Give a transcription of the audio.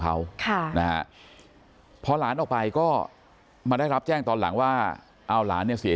เขาค่ะนะฮะพอหลานออกไปก็มาได้รับแจ้งตอนหลังว่าเอาหลานเนี่ยเสีย